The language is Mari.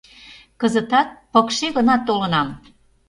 Кызытат пыкше гына толынам.